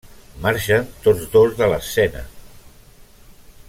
Marxen tots dos de l'escena.